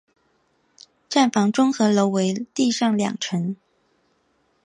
站房综合楼为地上两层。